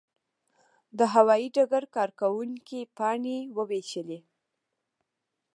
د هوايي ډګر کارکوونکي پاڼې وویشلې.